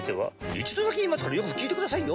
一度だけ言いますからよく聞いてくださいよ。